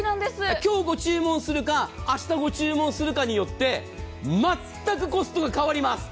今日ご注文するか明日ご注文するかによって全くコストが変わります。